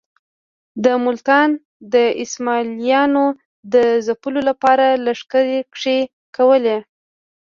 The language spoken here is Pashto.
د ملتان د اسماعیلیانو د ځپلو لپاره لښکرکښۍ کولې.